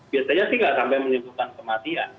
biasanya tidak sampai menyebutkan kematian